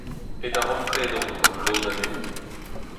E darempred omp gant lod anezho.